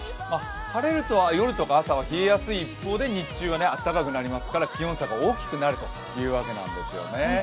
晴れると夜とか朝は晴れる一方で日中は暖かくなりますから気温差が大きくなるわけですね。